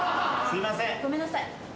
すいません。